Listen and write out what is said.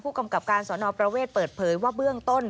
กำกับการสอนอประเวทเปิดเผยว่าเบื้องต้น